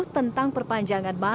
tentang perpanjangan masker